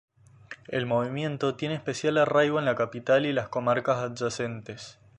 El movimiento tiene especial arraigo en la capital y las comarcas adyacentes.